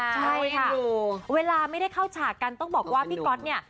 ใช่ค่ะเวลาไม่ได้เข้าฉากกันต้องบอกว่าพี่ก๊อตเนี่ย